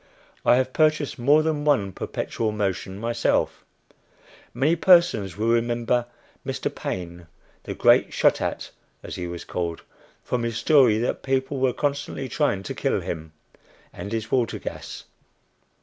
I have purchased more than one "perpetual motion" myself. Many persons will remember Mr. Paine "The Great Shot at" as he was called, from his story that people were constantly trying to kill him and his water gas.